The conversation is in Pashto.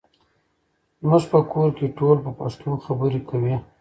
زموږ په کور کې ټول په پښتو خبرې کوي.